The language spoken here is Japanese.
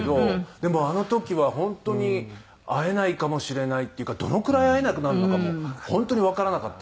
でもあの時は本当に会えないかもしれないっていうかどのくらい会えなくなるのかも本当にわからなかったので。